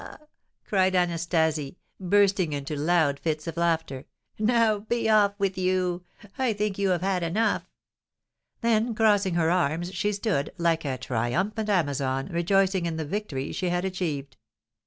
cried Anastasie, bursting into loud fits of laughter. "Now be off with you, I think you have had enough!" Then, crossing her arms, she stood, like a triumphant Amazon, rejoicing in the victory she had achieved.